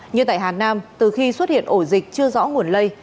như tại hà nam từ khi xuất hiện ổ dịch chưa rõ nguồn lây